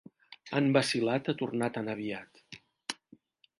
Han vacil·lat a tornar tan aviat.